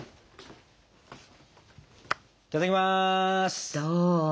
いただきます。